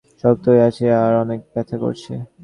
আমার আম্মুর পেট ফুলে ফেপে শক্ত হয়ে আছে আর অনেক ব্যথা করছে।